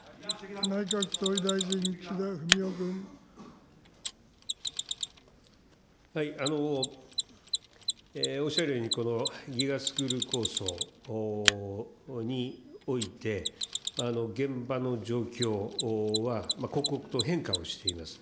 内閣総理大臣、おっしゃるように、このＧＩＧＡスクール構想において、現場の状況は刻々と変化をしています。